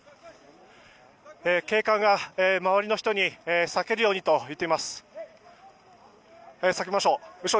警官が周りの人に避けるようにと言っています。